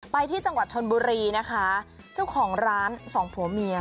ไปที่จังหวัดชนบุรีนะคะเจ้าของร้านสองผัวเมีย